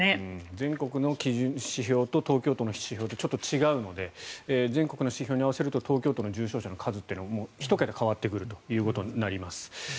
全国の基準、指標と東京都の指標とちょっと違うので全国の指標に合わせると東京都の重症者の数が１桁変わってくることになります。